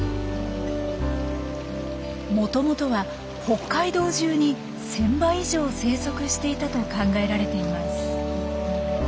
もともとは北海道じゅうに１，０００羽以上生息していたと考えられています。